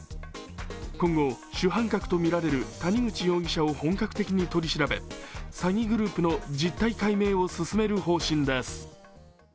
今後、主犯格とみられる谷口容疑者を本格的に取り調べ詐欺グループの実態解明を進める方針です。